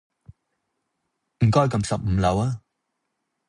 唔該㩒十五樓呀